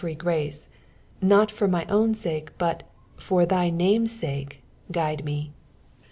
free grace : not for mj own sake, but far thy navu't tait guide me.